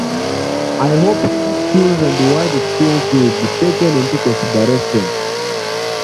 I hope his skills and wide experience will be taken into consideration.